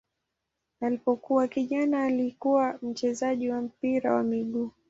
Alipokuwa kijana alikuwa mchezaji wa mpira wa miguu.